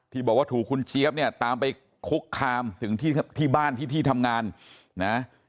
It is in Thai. บอกว่าถูกคุณเจี๊ยบเนี่ยตามไปคุกคามถึงที่บ้านที่ที่ทำงานนะ